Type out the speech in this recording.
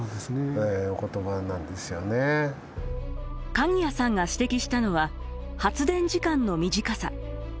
鍵屋さんが指摘したのは発電時間の短さ。